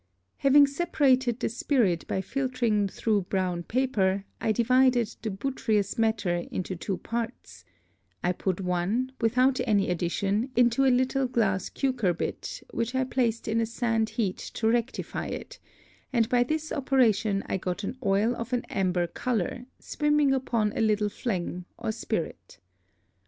Having separated the Spirit by filtring through brown Paper, I divided the butirous Matter into two Parts: I put one, without any Addition, into a little Glass Cucurbit, which I placed in a Sand Heat to rectify it, and by this Operation I got an Oil of an Amber Colour, swimming upon a little Phlegm, or Spirit.